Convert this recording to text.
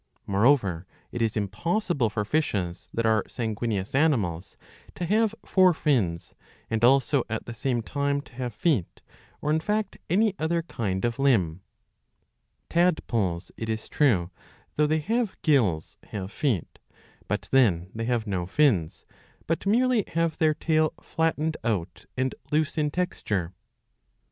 ^ Moreover it is impossible for fishes, that are san guineous animals, to have four fins and also at the same time, to have feet or in fact any other kind of limb. Tadpoles,' it is true, though they have gills, have feet; but then they have no fins, but merely have their tail flattened out and loose in texture.* 695 b. 136 iv. 13.